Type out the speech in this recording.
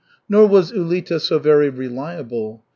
Nor was Ulita so very reliable.